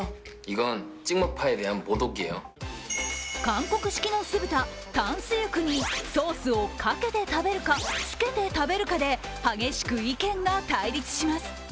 韓国式の酢豚、タンスユクにソースをかけて食べるか、つけて食べるかで激しく意見が対立します。